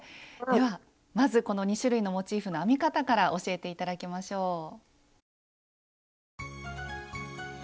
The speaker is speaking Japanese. ではまずこの２種類のモチーフの編み方から教えて頂きましょう。